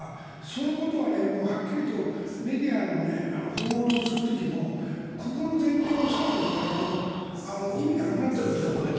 そのことははっきりとメディアが報道する時もここの前提を押さえておかないと意味がなくなってくると思います。